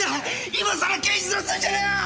今さら刑事面すんじゃねえよ！